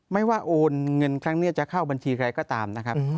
ไม่ว่าโอนเงินครั้งนี้จะเข้าบัญชีใครก็ตามนะครับ